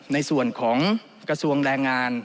ในส่วนของกระทรวงแรงงาน